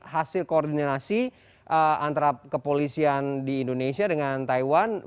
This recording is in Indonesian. hasil koordinasi antara kepolisian di indonesia dengan taiwan